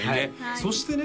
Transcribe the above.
そしてね